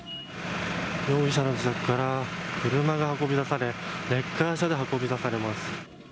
容疑者の自宅から車が運び出され、レッカー車で運び出されます。